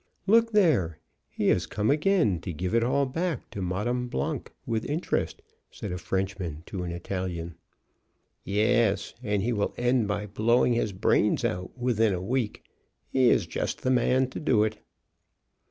"Look there; he has come again to give it all back to Madame Blanc, with interest," said a Frenchman to an Italian. "Yes; and he will end by blowing his brains out within a week. He is just the man to do it."